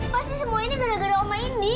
pasti semua ini gara gara oma indi